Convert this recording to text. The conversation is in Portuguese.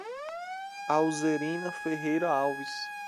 Alzerina Ferreira Alves